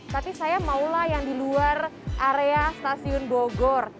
tapi saya maulah yang di luar area stasiun bogor